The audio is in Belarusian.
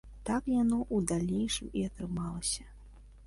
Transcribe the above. Так яно ў далейшым і атрымалася.